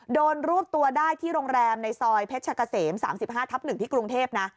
รวบตัวได้ที่โรงแรมในซอยเพชรกะเสม๓๕ทับ๑ที่กรุงเทพนะ